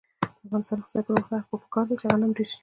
د افغانستان د اقتصادي پرمختګ لپاره پکار ده چې غنم ډېر شي.